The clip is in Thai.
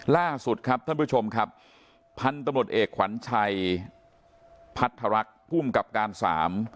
ล่าสุดครับท่านผู้ชมครับพันธุ์ตำรวจเอกขวัญชัยพัฒรักษ์ภูมิกับการสาม